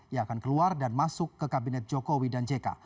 yang akan keluar dan masuk ke kabinet jokowi dan jk